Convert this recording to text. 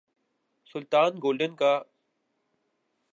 سلطان golden کا Kalam festival میں reverse car jump کا شاندار مظاہرہ